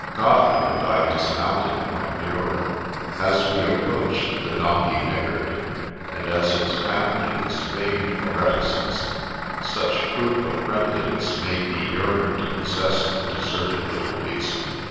Gotteland and I dismounted and went nearer. As we approached, . the donkey nickered ; and as its family is famed for reticence, such proof of friend liness made me yearn to possess the deserted little beast.